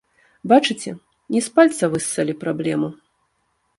Бачыце, не з пальца выссалі праблему!